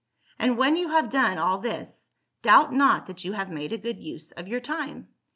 And when you have done all this, doubt not that you have made a good use of your time.